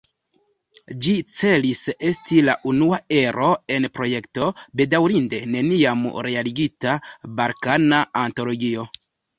Ĝi celis esti la unua ero en projekto, bedaŭrinde, neniam realigita: "Balkana Antologio".